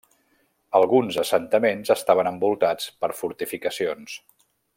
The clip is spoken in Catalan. Alguns assentaments estaven envoltats per fortificacions.